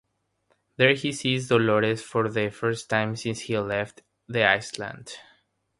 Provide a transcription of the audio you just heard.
There he sees Dolores for the first time since he left the island.